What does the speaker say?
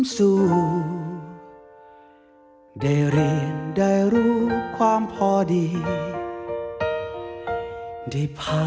สุดท้ายของพ่อ